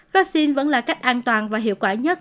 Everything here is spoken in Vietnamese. vaccine vẫn là cách an toàn và hiệu quả nhất